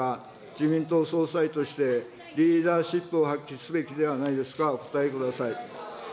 自民党総裁としてリーダーシップを発揮すべきではないですか、お答えください。